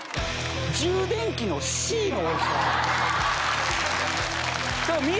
充電器のＣの大きさなんです。